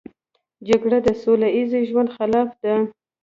جګړه د سوله ییز ژوند خلاف ده